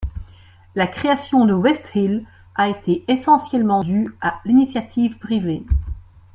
La création de Westhill a été essentiellement due à l'initiative privée.